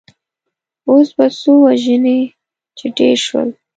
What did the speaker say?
اوس به څو وژنې چې ډېر شول.